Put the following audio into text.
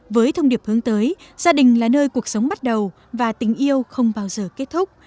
với thông điệp hướng tới gia đình là nơi cuộc sống bắt đầu và tình yêu không bao giờ kết thúc